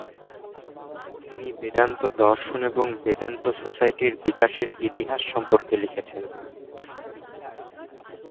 তিনি বেদান্ত দর্শন এবং বেদান্ত সোসাইটির বিকাশের ইতিহাস সম্পর্কে লিখেছেন।